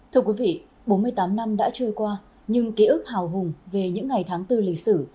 thưa quý vị bốn mươi tám năm đã trôi qua nhưng ký ức hào hùng về những ngày tháng bốn lịch sử